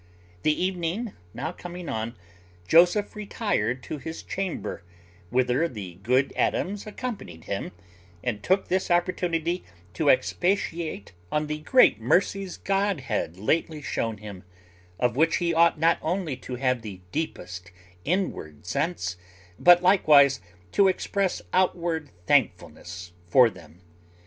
The evening now coming on, Joseph retired to his chamber, whither the good Adams accompanied him, and took this opportunity to expatiate on the great mercies God had lately shown him, of which he ought not only to have the deepest inward sense, but likewise to express outward thankfulness for them.